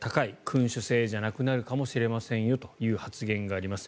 君主制じゃなくなるかもしれませんよという発言があります。